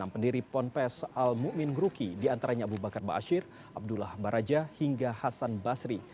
pendiri ponpes al mu'min nguruki diantaranya abu bakar ba'asyir abdullah baraja hingga hasan basri